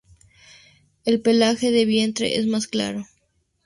El pelaje de vientre es más claro.